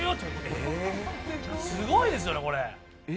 すごいですよね。